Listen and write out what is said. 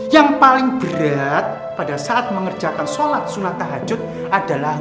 yang paling berat pada saat mengerjakan sholat sunat tahajud adalah